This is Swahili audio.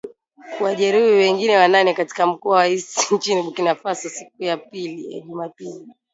kuwajeruhi wengine wanane katika mkoa wa Est nchini Burkina Faso siku ya Jumapili